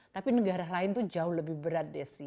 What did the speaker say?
tapi negara lain itu jauh lebih berat desi